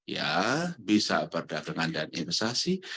ya bisa perdagangan dan investasi